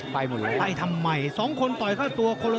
ไปหมดแล้วไปทำไม๒คนต่อยฆ่าตัว